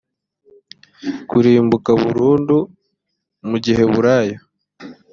kurimbuka burundu mu giheburayo